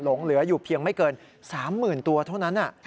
หลงเหลืออยู่เพียงไม่เกิน๓๐๐๐ตัวเท่านั้น